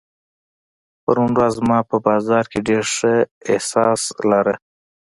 پرون ورځ ما په بازار کې ډېر ښه احساس لارۀ.